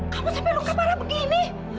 kamu sampai luka parah begini